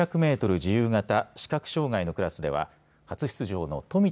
自由形視覚障がいのクラスでは初出場の富田